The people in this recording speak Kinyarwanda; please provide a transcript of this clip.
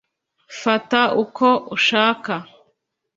fata uko ushaka